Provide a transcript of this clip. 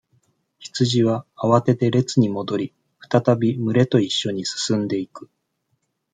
羊は、慌てて、列に戻り、再び、群れと一緒に進んでいく。